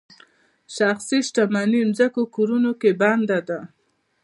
شخصي شتمني ځمکو کورونو کې بنده ده.